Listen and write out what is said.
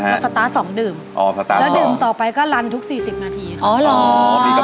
สตาร์ทสองดื่มอ๋อสตาร์ทแล้วดื่มต่อไปก็ลันทุกสี่สิบนาทีค่ะอ๋อเหรอ